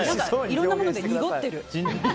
いろんなものが濁ってる。